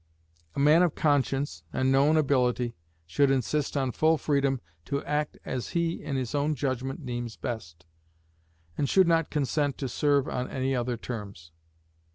A man of conscience and known ability should insist on full freedom to act as he in his own judgment deems best, and should not consent to serve on any other terms.